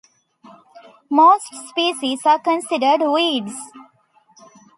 Most species are considered weeds.